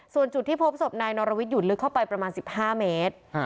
ส่วนจุดที่พบศพนายนรวิทย์อยู่ลึกเข้าไปประมาณ๑๕เมตร